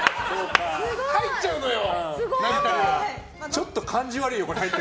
入っちゃうのよ！